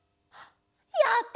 やった！